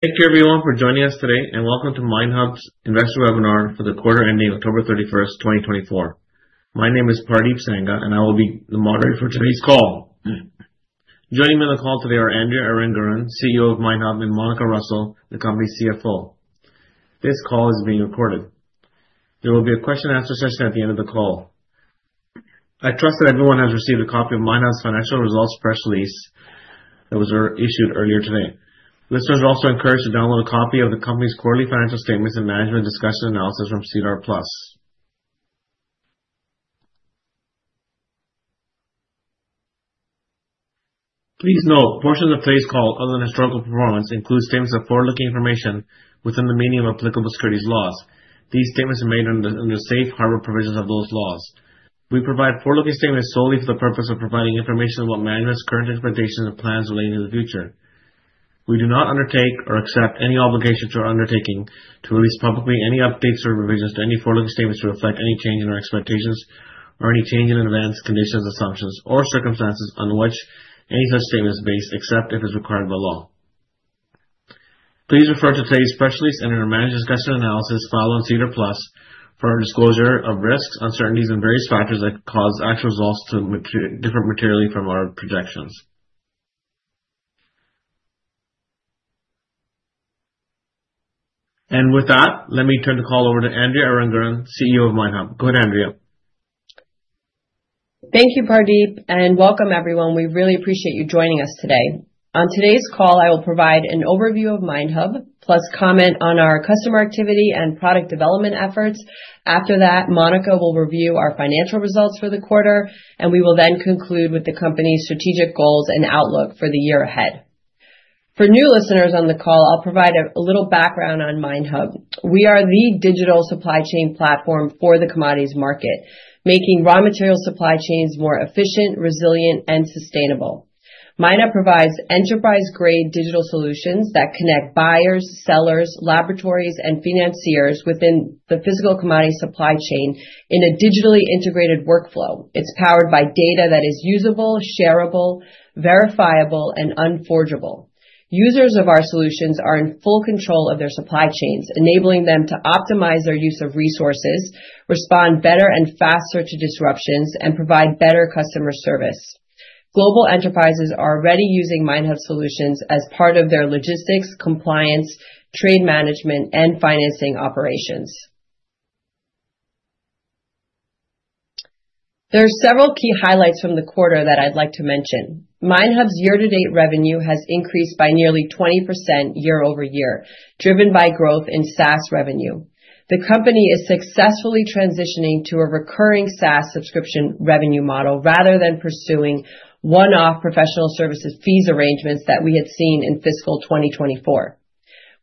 Thank you, everyone, for joining us today, and welcome to MineHub's investor webinar for the quarter ending October 31st, 2024. My name is Pardeep Sangha, and I will be the moderator for today's call. Joining me on the call today are Andrea Aranguren, CEO of MineHub, and Monika Russell, the company's CFO. This call is being recorded. There will be a question-and-answer session at the end of the call. I trust that everyone has received a copy of MineHub's financial results press release that was issued earlier today. Listeners are also encouraged to download a copy of the company's quarterly financial statements and management discussion analysis from SEDAR+. Please note, portions of today's call, other than historical performance, include statements of forward-looking information within the meaning of applicable securities laws. These statements are made under the safe harbor provisions of those laws. We provide forward-looking statements solely for the purpose of providing information about management's current expectations and plans relating to the future. We do not undertake or accept any obligation or undertaking to release publicly any updates or revisions to any forward-looking statements to reflect any change in our expectations or any change in adverse conditions, assumptions, or circumstances on which any such statement is based, except if it's required by law. Please refer to today's press release and our management discussion analysis filed on SEDAR+ for our disclosure of risks, uncertainties, and various factors that cause actual results to differ materially from our projections, and with that, let me turn the call over to Andrea Aranguren, CEO of MineHub. Go ahead, Andrea. Thank you, Pardeep, and welcome, everyone. We really appreciate you joining us today. On today's call, I will provide an overview of MineHub, plus comment on our customer activity and product development efforts. After that, Monika will review our financial results for the quarter, and we will then conclude with the company's strategic goals and outlook for the year ahead. For new listeners on the call, I'll provide a little background on MineHub. We are the digital supply chain platform for the commodities market, making raw material supply chains more efficient, resilient, and sustainable. MineHub provides enterprise-grade digital solutions that connect buyers, sellers, laboratories, and financiers within the physical commodity supply chain in a digitally integrated workflow. It's powered by data that is usable, shareable, verifiable, and unforgeable. Users of our solutions are in full control of their supply chains, enabling them to optimize their use of resources, respond better and faster to disruptions, and provide better customer service. Global enterprises are already using MineHub solutions as part of their logistics, compliance, trade management, and financing operations. There are several key highlights from the quarter that I'd like to mention. MineHub's year-to-date revenue has increased by nearly 20% year over year, driven by growth in SaaS revenue. The company is successfully transitioning to a recurring SaaS subscription revenue model rather than pursuing one-off professional services fees arrangements that we had seen in fiscal 2024.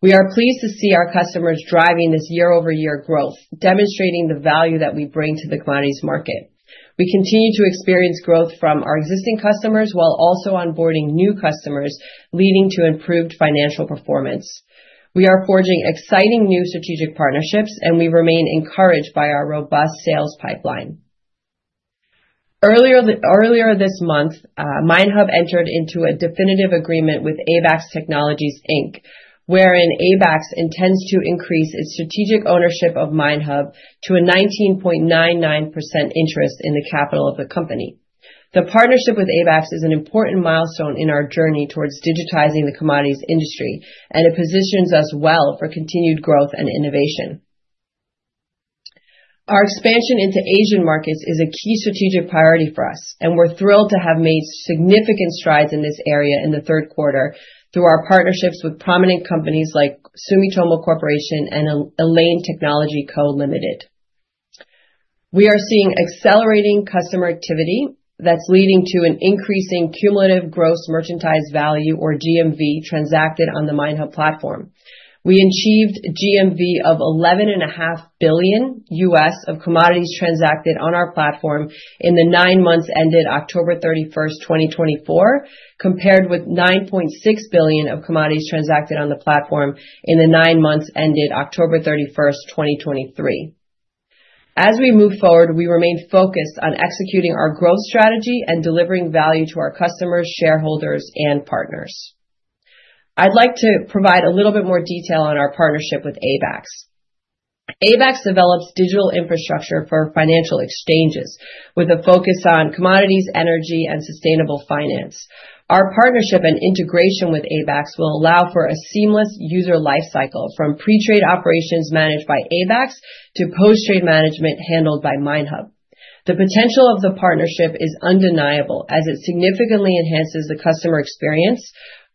We are pleased to see our customers driving this year-over-year growth, demonstrating the value that we bring to the commodities market. We continue to experience growth from our existing customers while also onboarding new customers, leading to improved financial performance. We are forging exciting new strategic partnerships, and we remain encouraged by our robust sales pipeline. Earlier this month, MineHub entered into a definitive agreement with Abaxx Technologies Inc., wherein Abaxx intends to increase its strategic ownership of MineHub to a 19.99% interest in the capital of the company. The partnership with Abaxx is an important milestone in our journey towards digitizing the commodities industry, and it positions us well for continued growth and innovation. Our expansion into Asian markets is a key strategic priority for us, and we're thrilled to have made significant strides in this area in the third quarter through our partnerships with prominent companies like Sumitomo Corporation and Elane Technology Co., Ltd. We are seeing accelerating customer activity that's leading to an increasing cumulative gross merchandise value, or GMV, transacted on the MineHub platform. We achieved GMV of $11.5 billion of commodities transacted on our platform in the nine months ended October 31st, 2024, compared with $9.6 billion of commodities transacted on the platform in the nine months ended October 31st, 2023. As we move forward, we remain focused on executing our growth strategy and delivering value to our customers, shareholders, and partners. I'd like to provide a little bit more detail on our partnership with Abaxx. Abaxx develops digital infrastructure for financial exchanges with a focus on commodities, energy, and sustainable finance. Our partnership and integration with Abaxx will allow for a seamless user lifecycle from pre-trade operations managed by Abaxx to post-trade management handled by MineHub. The potential of the partnership is undeniable, as it significantly enhances the customer experience,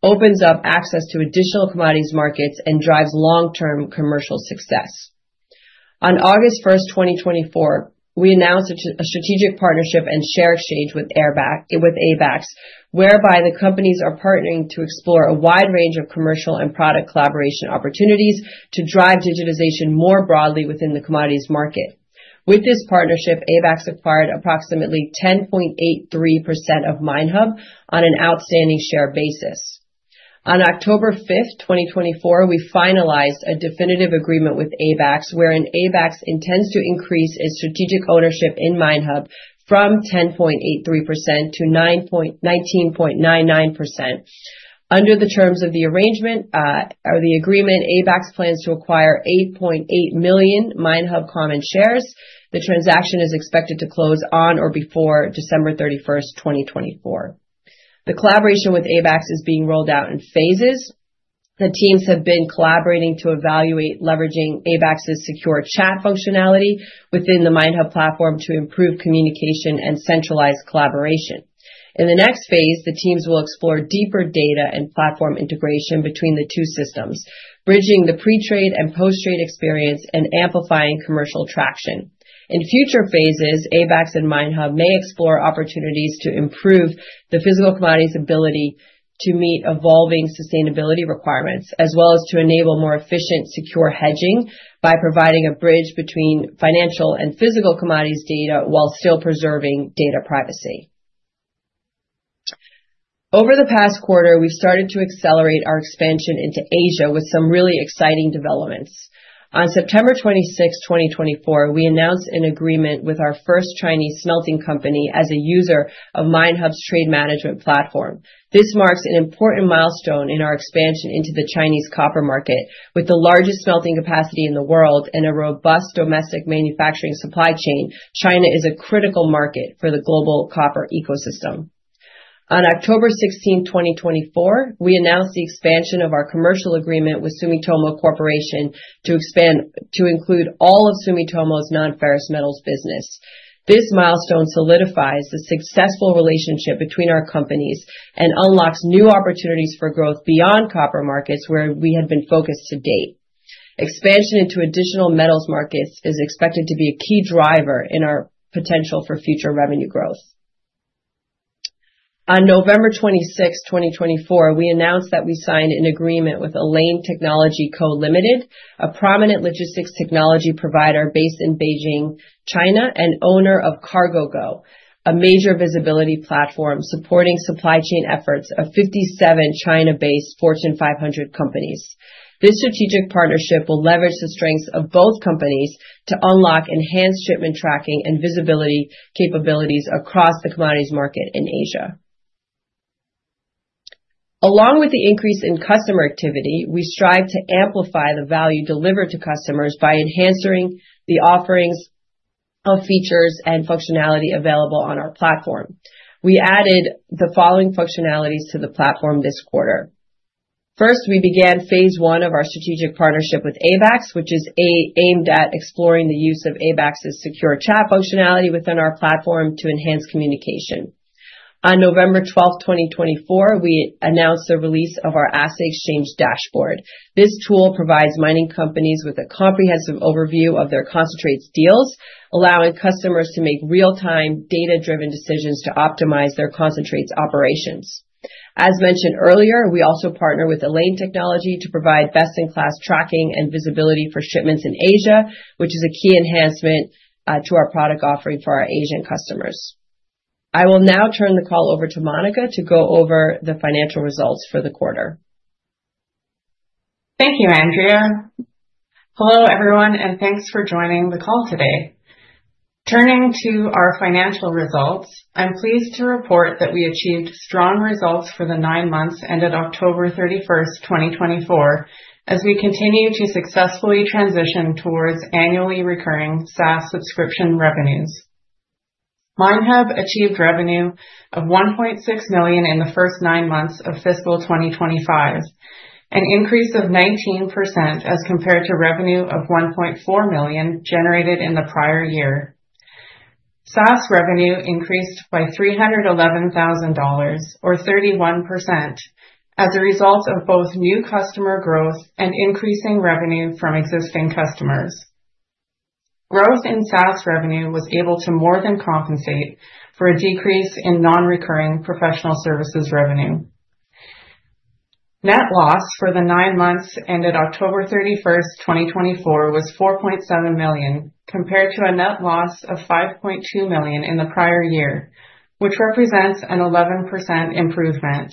opens up access to additional commodities markets, and drives long-term commercial success. On August 1st, 2024, we announced a strategic partnership and share exchange with Abaxx, whereby the companies are partnering to explore a wide range of commercial and product collaboration opportunities to drive digitization more broadly within the commodities market. With this partnership, Abaxx acquired approximately 10.83% of MineHub on an outstanding share basis. On October 5th, 2024, we finalized a definitive agreement with Abaxx, wherein Abaxx intends to increase its strategic ownership in MineHub from 10.83% to 19.99%. Under the terms of the agreement, Abaxx plans to acquire 8.8 million MineHub common shares. The transaction is expected to close on or before December 31st, 2024. The collaboration with Abaxx is being rolled out in phases. The teams have been collaborating to evaluate leveraging Abaxx's secure chat functionality within the MineHub platform to improve communication and centralized collaboration. In the next phase, the teams will explore deeper data and platform integration between the two systems, bridging the pre-trade and post-trade experience and amplifying commercial traction. In future phases, Abaxx and MineHub may explore opportunities to improve the physical commodities' ability to meet evolving sustainability requirements, as well as to enable more efficient, secure hedging by providing a bridge between financial and physical commodities data while still preserving data privacy. Over the past quarter, we've started to accelerate our expansion into Asia with some really exciting developments. On September 26th, 2024, we announced an agreement with our first Chinese smelting company as a user of MineHub's trade management platform. This marks an important milestone in our expansion into the Chinese copper market. With the largest smelting capacity in the world and a robust domestic manufacturing supply chain, China is a critical market for the global copper ecosystem. On October 16th, 2024, we announced the expansion of our commercial agreement with Sumitomo Corporation to include all of Sumitomo's non-ferrous metals business. This milestone solidifies the successful relationship between our companies and unlocks new opportunities for growth beyond copper markets, where we had been focused to date. Expansion into additional metals markets is expected to be a key driver in our potential for future revenue growth. On November 26th, 2024, we announced that we signed an agreement with Elane Technology Co., Ltd., a prominent logistics technology provider based in Beijing, China, and owner of CargoGo, a major visibility platform supporting supply chain efforts of 57 China-based Fortune 500 companies. This strategic partnership will leverage the strengths of both companies to unlock enhanced shipment tracking and visibility capabilities across the commodities market in Asia. Along with the increase in customer activity, we strive to amplify the value delivered to customers by enhancing the offerings of features and functionality available on our platform. We added the following functionalities to the platform this quarter. First, we began phase one of our strategic partnership with Abaxx, which is aimed at exploring the use of Abaxx's secure chat functionality within our platform to enhance communication. On November 12th, 2024, we announced the release of our Assay Exchange Dashboard. This tool provides mining companies with a comprehensive overview of their concentrates deals, allowing customers to make real-time, data-driven decisions to optimize their concentrates operations. As mentioned earlier, we also partner with Elane Technology to provide best-in-class tracking and visibility for shipments in Asia, which is a key enhancement to our product offering for our Asian customers. I will now turn the call over to Monika to go over the financial results for the quarter. Thank you, Andrea. Hello, everyone, and thanks for joining the call today. Turning to our financial results, I'm pleased to report that we achieved strong results for the nine months ended October 31st, 2024, as we continue to successfully transition towards annually recurring SaaS subscription revenues. MineHub achieved revenue of $1.6 million in the first nine months of fiscal 2025, an increase of 19% as compared to revenue of $1.4 million generated in the prior year. SaaS revenue increased by $311,000, or 31%, as a result of both new customer growth and increasing revenue from existing customers. Growth in SaaS revenue was able to more than compensate for a decrease in non-recurring professional services revenue. Net loss for the nine months ended October 31st, 2024, was $4.7 million, compared to a net loss of $5.2 million in the prior year, which represents an 11% improvement.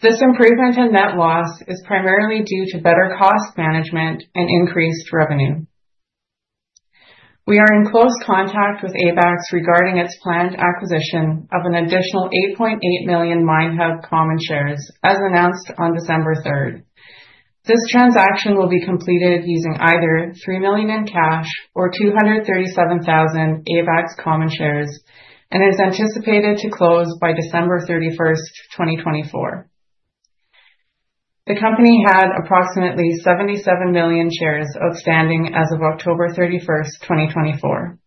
This improvement in net loss is primarily due to better cost management and increased revenue. We are in close contact with Abaxx regarding its planned acquisition of an additional 8.8 million MineHub common shares, as announced on December 3rd. This transaction will be completed using either 3 million in cash or 237,000 Abaxx common shares and is anticipated to close by December 31st, 2024. The company had approximately 77 million shares outstanding as of October 31st, 2024.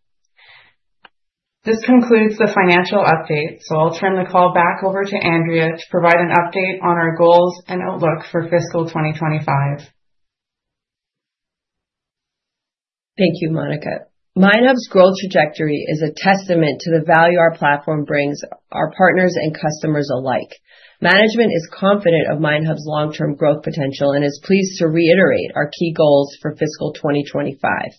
This concludes the financial update, so I'll turn the call back over to Andrea to provide an update on our goals and outlook for fiscal 2025. Thank you, Monika. MineHub's growth trajectory is a testament to the value our platform brings our partners and customers alike. Management is confident of MineHub's long-term growth potential and is pleased to reiterate our key goals for fiscal 2025.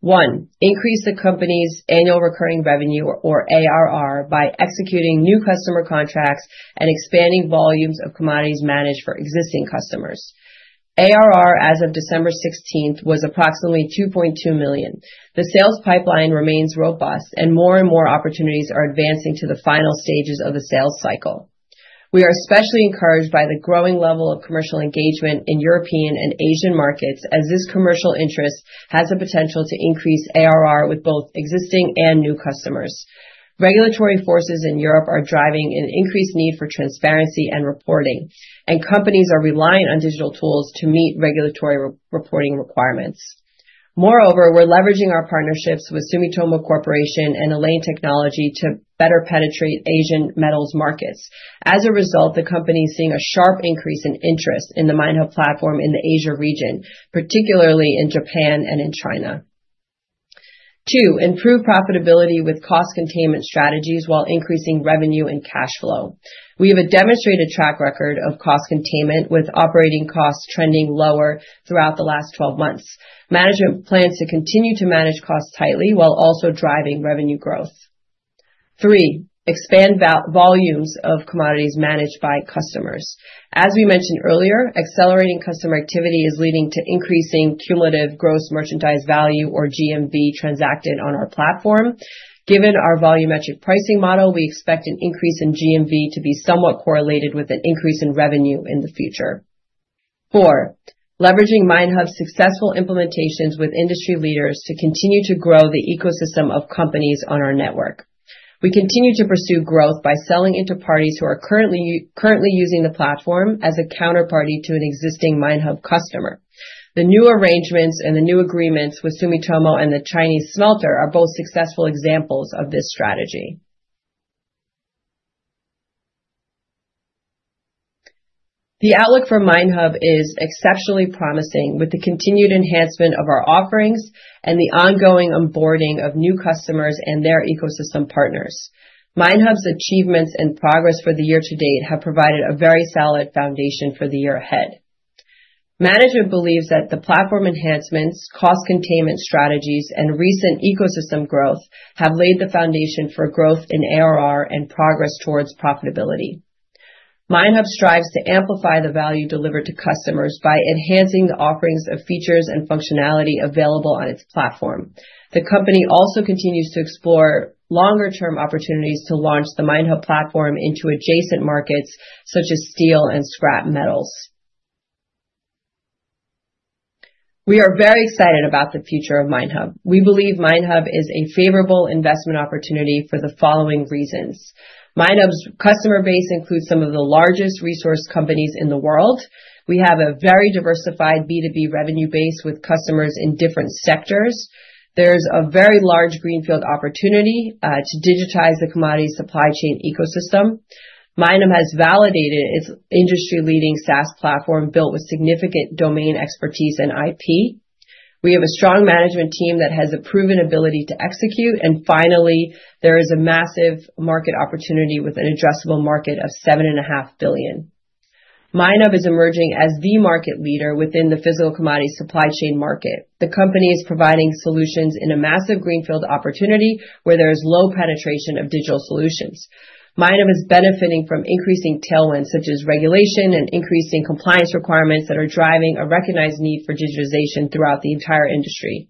One, increase the company's annual recurring revenue, or ARR, by executing new customer contracts and expanding volumes of commodities managed for existing customers. ARR, as of December 16th, was approximately $2.2 million. The sales pipeline remains robust, and more and more opportunities are advancing to the final stages of the sales cycle. We are especially encouraged by the growing level of commercial engagement in European and Asian markets, as this commercial interest has the potential to increase ARR with both existing and new customers. Regulatory forces in Europe are driving an increased need for transparency and reporting, and companies are relying on digital tools to meet regulatory reporting requirements. Moreover, we're leveraging our partnerships with Sumitomo Corporation and Elane Technology to better penetrate Asian metals markets. As a result, the company is seeing a sharp increase in interest in the MineHub platform in the Asia region, particularly in Japan and in China. Two, improve profitability with cost containment strategies while increasing revenue and cash flow. We have a demonstrated track record of cost containment, with operating costs trending lower throughout the last 12 months. Management plans to continue to manage costs tightly while also driving revenue growth. Three, expand volumes of commodities managed by customers. As we mentioned earlier, accelerating customer activity is leading to increasing cumulative gross merchandise value, or GMV, transacted on our platform. Given our volumetric pricing model, we expect an increase in GMV to be somewhat correlated with an increase in revenue in the future. Four, leveraging MineHub's successful implementations with industry leaders to continue to grow the ecosystem of companies on our network. We continue to pursue growth by selling into parties who are currently using the platform as a counterparty to an existing MineHub customer. The new arrangements and the new agreements with Sumitomo and the Chinese smelter are both successful examples of this strategy. The outlook for MineHub is exceptionally promising with the continued enhancement of our offerings and the ongoing onboarding of new customers and their ecosystem partners. MineHub's achievements and progress for the year to date have provided a very solid foundation for the year ahead. Management believes that the platform enhancements, cost containment strategies, and recent ecosystem growth have laid the foundation for growth in ARR and progress towards profitability. MineHub strives to amplify the value delivered to customers by enhancing the offerings of features and functionality available on its platform. The company also continues to explore longer-term opportunities to launch the MineHub platform into adjacent markets such as steel and scrap metals. We are very excited about the future of MineHub. We believe MineHub is a favorable investment opportunity for the following reasons. MineHub's customer base includes some of the largest resource companies in the world. We have a very diversified B2B revenue base with customers in different sectors. There's a very large greenfield opportunity to digitize the commodity supply chain ecosystem. MineHub has validated its industry-leading SaaS platform built with significant domain expertise and IP. We have a strong management team that has a proven ability to execute. And finally, there is a massive market opportunity with an addressable market of 7.5 billion. MineHub is emerging as the market leader within the physical commodity supply chain market. The company is providing solutions in a massive greenfield opportunity where there is low penetration of digital solutions. MineHub is benefiting from increasing tailwinds such as regulation and increasing compliance requirements that are driving a recognized need for digitization throughout the entire industry.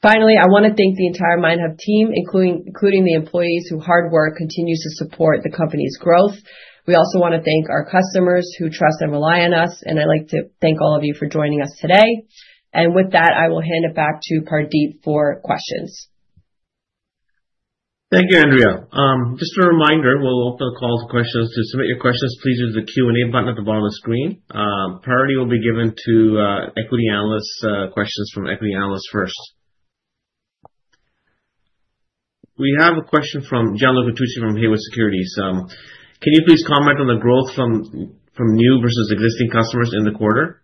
Finally, I want to thank the entire MineHub team, including the employees whose hard work continues to support the company's growth. We also want to thank our customers who trust and rely on us. And I'd like to thank all of you for joining us today. And with that, I will hand it back to Pardeep for questions. Thank you, Andrea. Just a reminder, we'll open the call to questions. To submit your questions, please use the Q&A button at the bottom of the screen. Priority will be given to equity analyst questions from equity analysts first. We have a question from Gianluca Tucci from Haywood Securities. Can you please comment on the growth from new versus existing customers in the quarter?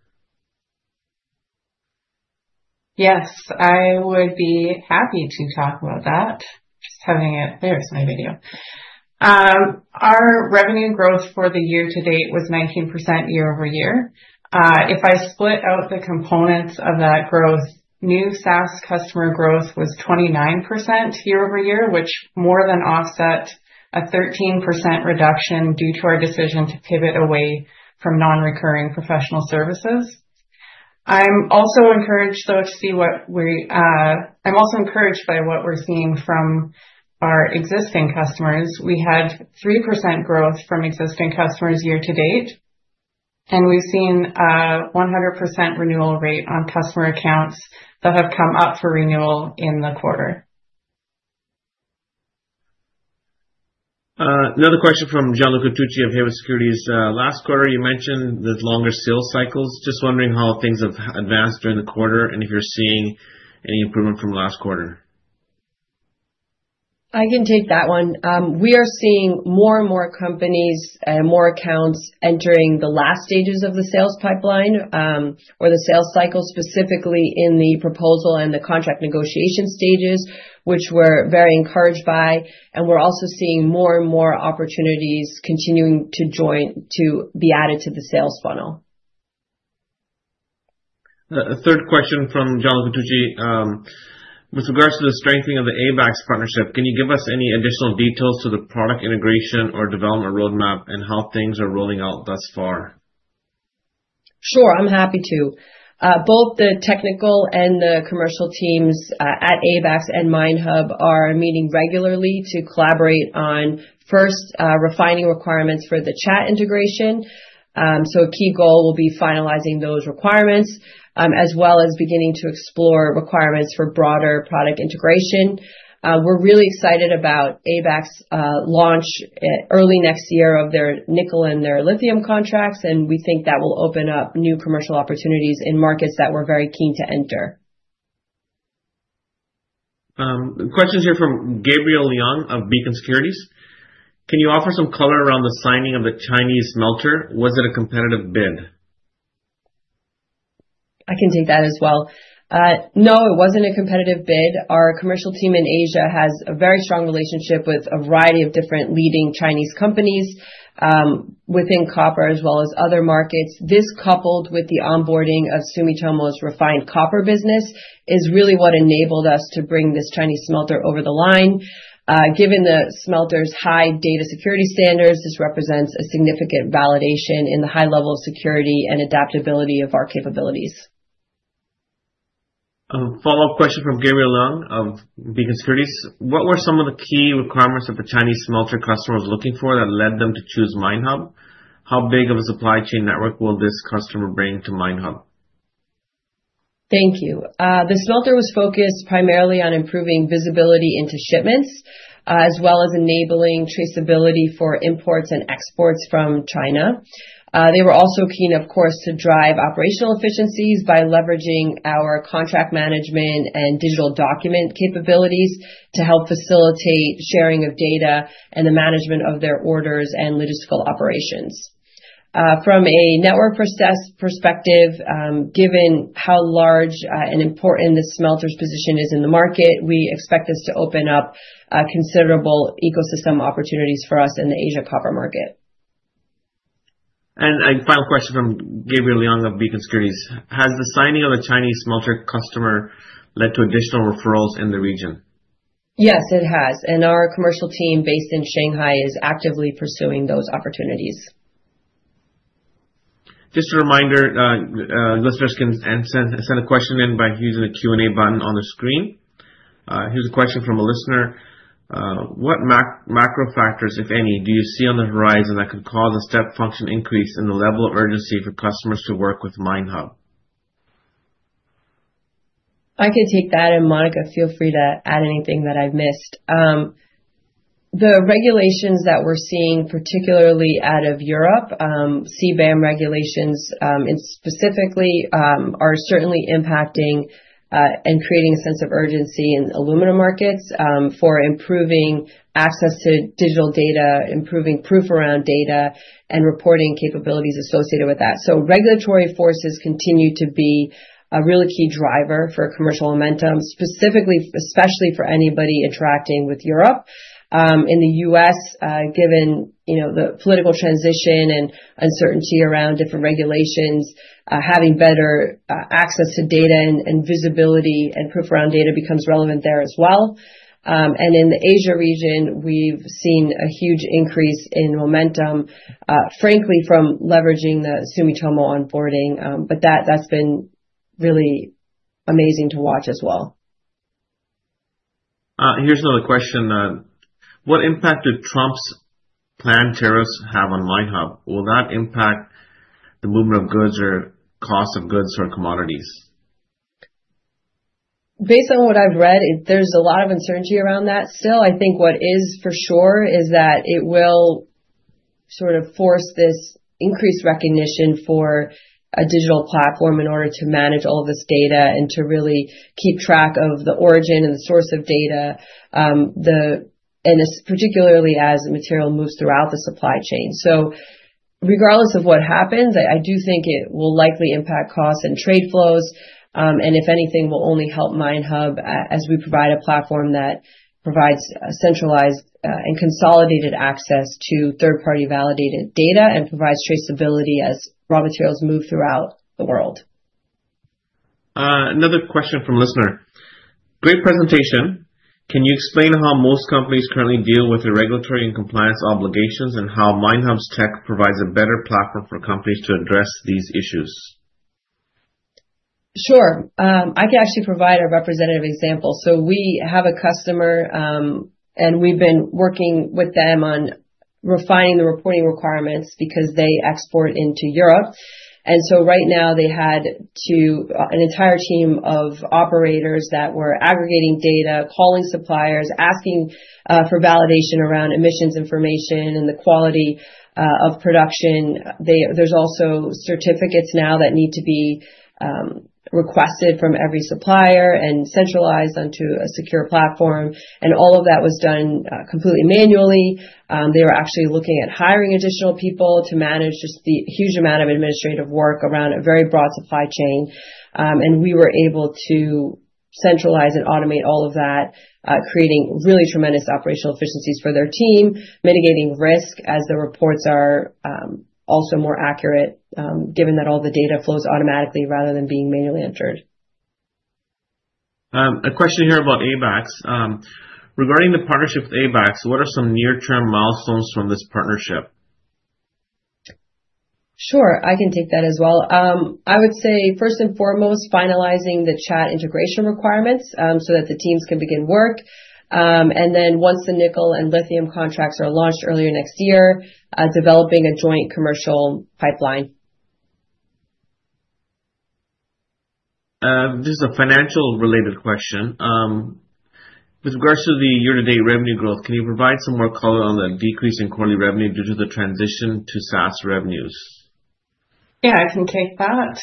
Yes, I would be happy to talk about that. Just to have it clear, it's my view though. Our revenue growth for the year to date was 19% year over year. If I split out the components of that growth, new SaaS customer growth was 29% year over year, which more than offset a 13% reduction due to our decision to pivot away from non-recurring professional services. I'm also encouraged by what we're seeing from our existing customers. We had 3% growth from existing customers year to date, and we've seen a 100% renewal rate on customer accounts that have come up for renewal in the quarter. Another question from Gianluca Tucci of Haywood Securities. Last quarter, you mentioned the longer sales cycles. Just wondering how things have advanced during the quarter and if you're seeing any improvement from last quarter? I can take that one. We are seeing more and more companies and more accounts entering the last stages of the sales pipeline or the sales cycle, specifically in the proposal and the contract negotiation stages, which we're very encouraged by. And we're also seeing more and more opportunities continuing to be added to the sales funnel. A third question from Gianluca Tucci. With regards to the strengthening of the Abaxx partnership, can you give us any additional details to the product integration or development roadmap and how things are rolling out thus far? Sure, I'm happy to. Both the technical and the commercial teams at Abaxx and MineHub are meeting regularly to collaborate on, first, refining requirements for the chat integration, so a key goal will be finalizing those requirements, as well as beginning to explore requirements for broader product integration. We're really excited about Abaxx's launch early next year of their nickel and their lithium contracts, and we think that will open up new commercial opportunities in markets that we're very keen to enter. Questions here from Gabriel Leung of Beacon Securities. Can you offer some color around the signing of the Chinese smelter? Was it a competitive bid? I can take that as well. No, it wasn't a competitive bid. Our commercial team in Asia has a very strong relationship with a variety of different leading Chinese companies within copper, as well as other markets. This, coupled with the onboarding of Sumitomo's refined copper business, is really what enabled us to bring this Chinese smelter over the line. Given the smelter's high data security standards, this represents a significant validation in the high level of security and adaptability of our capabilities. Follow-up question from Gabriel Leung of Beacon Securities. What were some of the key requirements that the Chinese smelter customer was looking for that led them to choose MineHub? How big of a supply chain network will this customer bring to MineHub? Thank you. The smelter was focused primarily on improving visibility into shipments, as well as enabling traceability for imports and exports from China. They were also keen, of course, to drive operational efficiencies by leveraging our contract management and digital document capabilities to help facilitate sharing of data and the management of their orders and logistical operations. From a network perspective, given how large and important the smelter's position is in the market, we expect this to open up considerable ecosystem opportunities for us in the Asia copper market. And final question from Gabriel Leung of Beacon Securities. Has the signing of the Chinese smelter customer led to additional referrals in the region? Yes, it has, and our commercial team based in Shanghai is actively pursuing those opportunities. Just a reminder, listeners can send a question in by using the Q&A button on the screen. Here's a question from a listener. What macro factors, if any, do you see on the horizon that could cause a step function increase in the level of urgency for customers to work with MineHub? I can take that, and Monika, feel free to add anything that I've missed. The regulations that we're seeing, particularly out of Europe, CBAM regulations specifically, are certainly impacting and creating a sense of urgency in aluminum markets for improving access to digital data, improving proof around data, and reporting capabilities associated with that. Regulatory forces continue to be a really key driver for commercial momentum, especially for anybody interacting with Europe. In the U.S., given the political transition and uncertainty around different regulations, having better access to data and visibility and proof around data becomes relevant there as well, and in the Asia region, we've seen a huge increase in momentum, frankly, from leveraging the Sumitomo onboarding. That's been really amazing to watch as well. Here's another question. What impact did Trump's planned tariffs have on MineHub? Will that impact the movement of goods or costs of goods or commodities? Based on what I've read, there's a lot of uncertainty around that. Still, I think what is for sure is that it will sort of force this increased recognition for a digital platform in order to manage all of this data and to really keep track of the origin and the source of data, and particularly as material moves throughout the supply chain. So regardless of what happens, I do think it will likely impact costs and trade flows. And if anything, will only help MineHub as we provide a platform that provides centralized and consolidated access to third-party validated data and provides traceability as raw materials move throughout the world. Another question from a listener. Great presentation. Can you explain how most companies currently deal with the regulatory and compliance obligations and how MineHub's tech provides a better platform for companies to address these issues? Sure. I can actually provide a representative example, so we have a customer, and we've been working with them on refining the reporting requirements because they export into Europe, and so right now, they had an entire team of operators that were aggregating data, calling suppliers, asking for validation around emissions information and the quality of production. There's also certificates now that need to be requested from every supplier and centralized onto a secure platform, and all of that was done completely manually. They were actually looking at hiring additional people to manage just the huge amount of administrative work around a very broad supply chain, and we were able to centralize and automate all of that, creating really tremendous operational efficiencies for their team, mitigating risk as the reports are also more accurate, given that all the data flows automatically rather than being manually entered. A question here about Abaxx. Regarding the partnership with Abaxx, what are some near-term milestones from this partnership? Sure. I can take that as well. I would say, first and foremost, finalizing the chat integration requirements so that the teams can begin work. And then once the nickel and lithium contracts are launched earlier next year, developing a joint commercial pipeline. This is a financial-related question. With regards to the year-to-date revenue growth, can you provide some more color on the decrease in quarterly revenue due to the transition to SaaS revenues? Yeah, I can take that.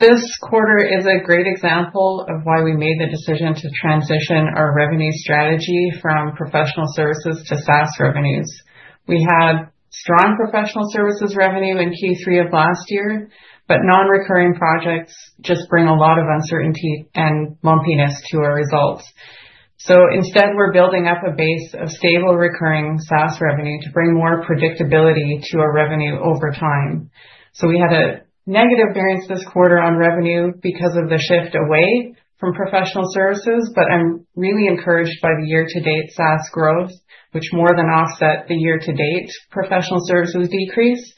This quarter is a great example of why we made the decision to transition our revenue strategy from professional services to SaaS revenues. We had strong professional services revenue in Q3 of last year, but non-recurring projects just bring a lot of uncertainty and lumpiness to our results, so instead, we're building up a base of stable recurring SaaS revenue to bring more predictability to our revenue over time, so we had a negative variance this quarter on revenue because of the shift away from professional services, but I'm really encouraged by the year-to-date SaaS growth, which more than offset the year-to-date professional services decrease,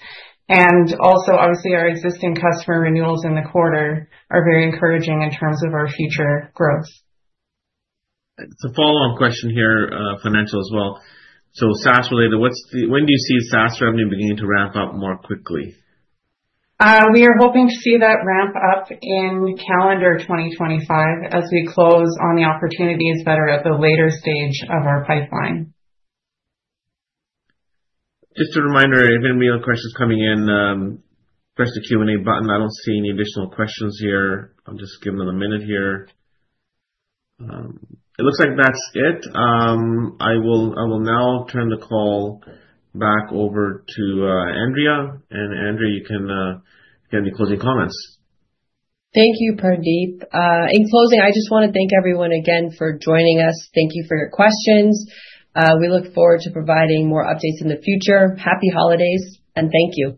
and also, obviously, our existing customer renewals in the quarter are very encouraging in terms of our future growth. It's a follow-up question here, financial as well. So SaaS-related, when do you see SaaS revenue beginning to ramp up more quickly? We are hoping to see that ramp up in calendar 2025 as we close on the opportunities that are at the later stage of our pipeline. Just a reminder, if anybody has questions coming in, press the Q&A button. I don't see any additional questions here. I'm just giving it a minute here. It looks like that's it. I will now turn the call back over to Andrea, and Andrea, you can get any closing comments. Thank you, Pardeep. In closing, I just want to thank everyone again for joining us. Thank you for your questions. We look forward to providing more updates in the future. Happy holidays, and thank you.